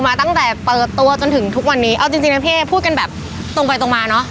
มาตั้งแต่เปิดตัวจนถึงทุกวันนี้เอาจริงจริงนะพี่เอ๊พูดกันแบบตรงไปตรงมาเนอะ